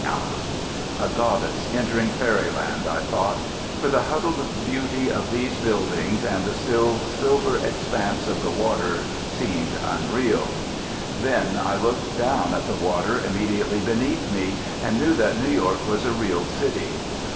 A goddess entering fairyland, I thought; for the huddled beauty of these buildings and the still, silver expanse of the water seemed unreal. Then I looked down at the water immediately beneath me, and knew that New York was a real city.